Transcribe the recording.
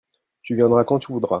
tu viendras quand tu voudras.